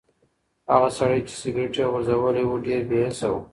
هغه سړی چې سګرټ یې غورځولی و ډېر بې حسه و.